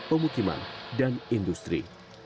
pemukiman dan industri